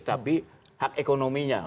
tapi hak ekonominya